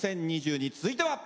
続いては。